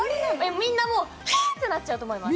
みんなもうヒーッてなっちゃうと思います